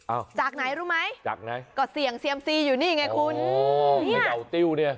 จากไหนรู้ไหมจากไหนก็เสี่ยงเซียมซีอยู่นี่ไงคุณโอ้เขย่าติ้วเนี่ย